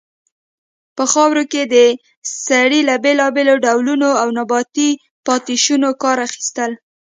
په خاوره کې د سرې له بیلابیلو ډولونو او نباتي پاتې شونو کار اخیستل.